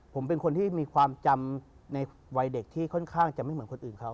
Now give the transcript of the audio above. ผมเป็นคนที่มีความจำในวัยเด็กที่ค่อนข้างจะไม่เหมือนคนอื่นเขา